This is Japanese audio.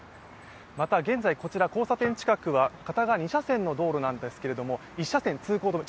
また、現在こちら交差点近くは片側２車線の道路なんですが１車線、通行止め。